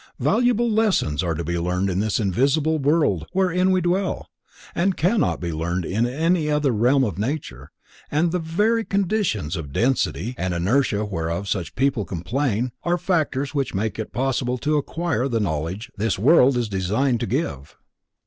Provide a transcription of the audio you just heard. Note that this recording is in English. Valuable lessons are to be learned in this visible world wherein we dwell, that cannot be learned in any other realm of nature, and the very conditions of density and inertia whereof such people complain, are factors which make it possible to acquire the knowledge this world is designed to give.